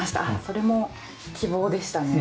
それも希望でしたね。